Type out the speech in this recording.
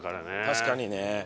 確かにね。